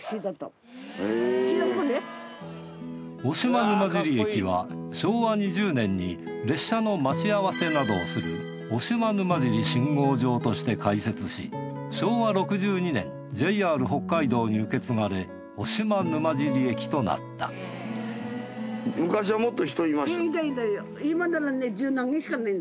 渡島沼尻駅は昭和２０年に列車の待ち合わせなどをする渡島沼尻信号場として開設し昭和６２年ＪＲ北海道に受け継がれ渡島沼尻駅となったへ。